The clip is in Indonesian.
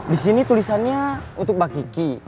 di sini tulisannya untuk mbak kiki